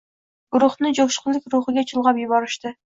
Guruhni jo‘shqinlik ruhiga chulg‘ab yuborishdi.